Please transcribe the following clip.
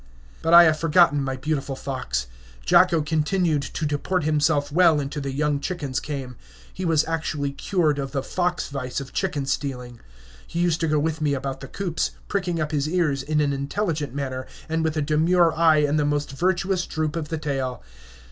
But I have forgotten my beautiful fox. Jacko continued to deport himself well until the young chickens came; he was actually cured of the fox vice of chicken stealing. He used to go with me about the coops, pricking up his ears in an intelligent manner, and with a demure eye and the most virtuous droop of the tail.